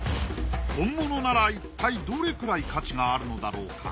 本物ならいったいどれくらい価値があるのだろうか。